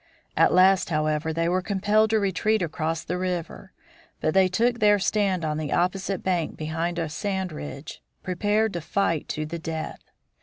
At last, however, they were compelled to retreat across the river. But they took their stand on the opposite bank behind a sand ridge, prepared to fight to the death.